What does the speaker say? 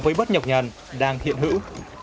vây bớt nhọc nhằn đang thiện hữu